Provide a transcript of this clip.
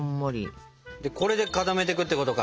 でこれで固めていくってことか！